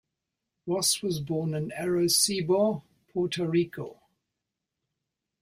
Ross was born in Arecibo, Puerto Rico.